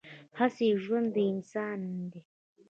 هسې ژوندي انسانان دي